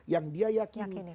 yang dia yakini